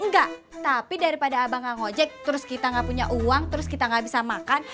enggak tapi daripada abang nggak ngojek terus kita nggak punya uang terus kita nggak bisa makan